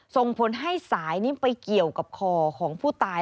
ส่งผลให้สายนี้ไปเกี่ยวกับคอของผู้ตาย